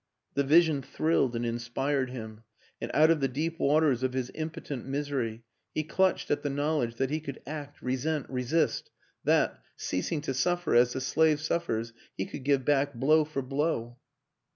The vision thrilled and inspired him, and out of the deep waters of his impotent misery he clutched at the knowledge that he could act, resent, resist; that, ceasing to suffer as the slave suffers, he could give back blow for blow.